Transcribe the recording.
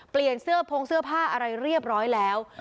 เปลี่ยนเสื้อพงเสื้อผ้าอะไรเรียบร้อยแล้ว